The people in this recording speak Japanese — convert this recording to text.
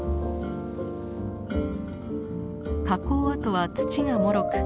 火口跡は土がもろく